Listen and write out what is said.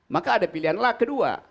maka ada pilihan a kedua